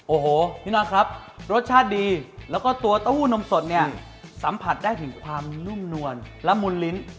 โอ้โหพี่น้องครับรสชาติดีแล้วก็ตัวเต้าหู้นมสดเนี่ยสัมผัสได้ถึงความนุ่มนวลและมุนลิ้น